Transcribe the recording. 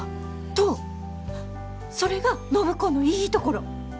それが暢子のいいところ！